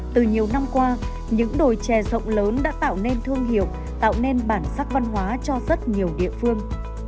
từ nhiều năm qua những đồi chè rộng lớn đã tạo nên thương hiệu tạo nên bản sắc văn hóa cho rất nhiều địa phương